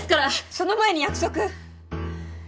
その前に約束。